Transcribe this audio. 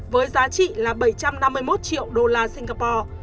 với giá trị là bảy trăm năm mươi một triệu đô la singapore